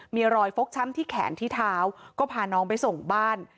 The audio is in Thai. มีรอยฟกช้ำที่แขนที่เท้าก็พาน้องไปส่งบ้าน